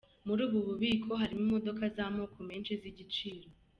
Muri ubu bubiko harimo imodoka z'amoko menshi z'igiciro.